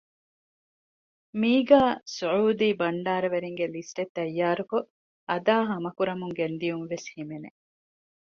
މީގައި ސުޢޫދީ ބަންޑާރަވެރީންގެ ލިސްޓެއް ތައްޔާރުކޮށް އަދާހަމަކުރަމުން ގެންދިޔުން ވެސް ހިމެނެ